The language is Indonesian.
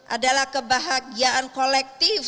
adalah kebahagiaan kolektif